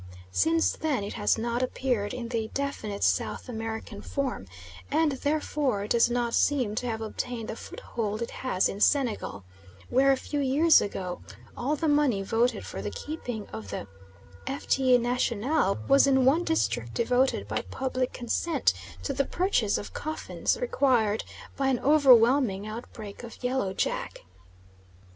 Since then it has not appeared in the definite South American form, and therefore does not seem to have obtained the foothold it has in Senegal, where a few years ago all the money voted for the keeping of the Fete Nationale was in one district devoted by public consent to the purchase of coffins, required by an overwhelming outbreak of Yellow Jack.